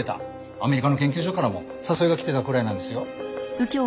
アメリカの研究所からも誘いが来てたくらいなんですよ。